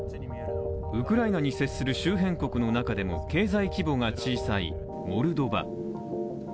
ウクライナに接する周辺国の中でも経済規模が小さいモルドバ。